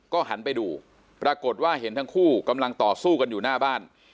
หันไปดูปรากฏว่าเห็นทั้งคู่กำลังต่อสู้กันอยู่หน้าบ้าน